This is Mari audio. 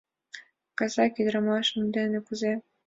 — Казак ӱдырамашыж дене кузе?